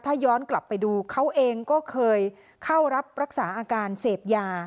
ถ้าย้อนกลับไปดูเขาเองก็เคยเข้ารับรักษาอาการเสพยา